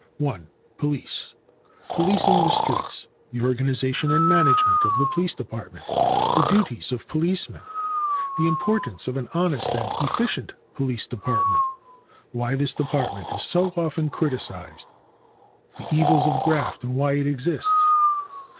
1. Police. Policing the Streets. The organization and management of the police department. The duties of policemen. The importance of an honest and efficient police department. Why this department is so often criticized. The evils of graft and why it exists.